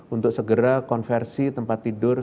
untuk segera konversi tempat tidur